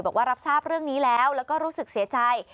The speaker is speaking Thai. บอกว่ารับทราบเรื่องนี้แล้วแล้วก็รู้สึกเสียใจ